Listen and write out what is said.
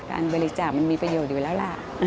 การบริจาคมันมีประโยชน์อยู่แล้วล่ะ